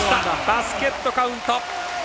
バスケットカウント。